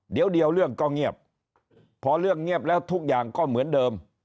เดี๋ยวเรื่องก็เงียบพอเรื่องเงียบแล้วทุกอย่างก็เหมือนเดิม